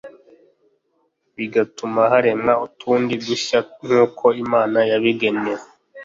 bigatuma haremwa utundi dushya nk’uko Imana yabigennye